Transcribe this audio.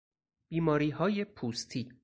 بیماریهای پوستی